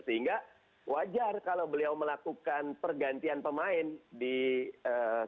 sehingga wajar kalau beliau melakukan pergantian pemain di separuh babak ini